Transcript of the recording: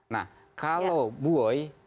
nah kalau buoy